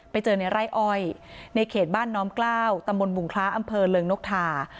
ไปเจอในไร่อ้อยในเขตบ้านน้อมกล้าวตำบลบุงคล้าอำเภอเริงนกทา